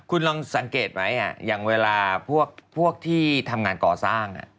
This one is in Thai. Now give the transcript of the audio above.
คุณลองสังเกตไหมอย่างเวลาพวกที่ทำงานก่อสร้าง